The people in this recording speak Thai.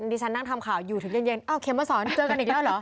ที่ฉันนั่งทำข่าวอยู่ถึงเย็นอ้าวเขมมาสอนเจอกันอีกแล้วเหรอ